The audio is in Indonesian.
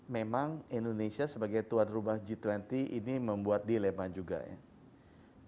memang indonesia sebagai tuan rumah g dua puluh ini membuat dilema juga ya